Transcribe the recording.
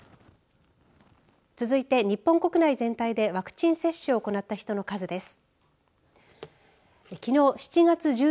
続いて日本国内全体でワクチン接種を行った人の数です。